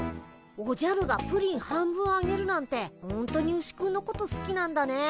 おじゃるがプリン半分あげるなんてほんとにウシくんのことすきなんだね。